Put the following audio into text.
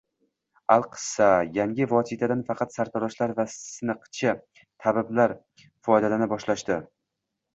Alqissa, yangi vositadan faqat sartaroshlar va siniqchi tabiblar foydalana boshlashdi